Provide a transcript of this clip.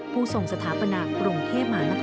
ผู้ส่งสถาปนากรุงเทพหมานคร